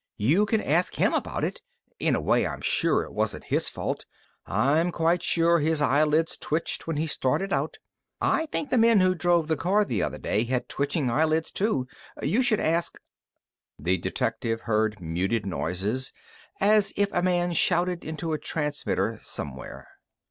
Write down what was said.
"You can ask him about it. In a way I'm sure it wasn't his fault. I'm quite sure his eyelids twitched when he started out. I think the men who drove the car the other day had twitching eyelids, too. You should ask " The detective heard muted noises, as it a man shouted into a transmitter somewhere.